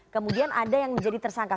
kemudian ada yang menjadi tersangka